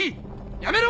やめろ！